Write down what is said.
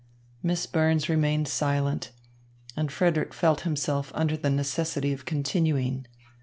Miss Burns remained silent, and Frederick felt himself under the necessity of continuing.